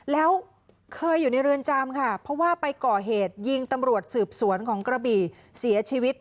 แล้วเคยอยู่ในเรือนจำค่ะเพราะว่าไปก่อเหตุยิงตำรวจสืบสวนของกระบี่เสียชีวิต